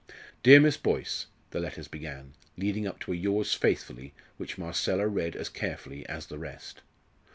"Dear Miss Boyce" the letters began leading up to a "Yours faithfully," which Marcella read as carefully as the rest.